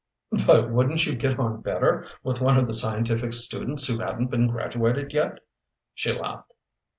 "But wouldn't you get on better with one of the scientific students who hadn't been graduated yet?" she laughed.